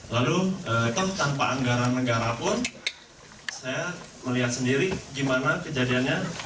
lalu kan tanpa anggaran negara pun saya melihat sendiri gimana kejadiannya